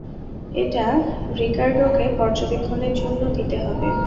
এটা রিকার্ডোকে পর্যবেক্ষণের জন্য দিতে হবে।